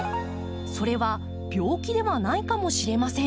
それは病気ではないかもしれません。